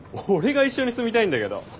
俺が一緒に住みたいんだけど。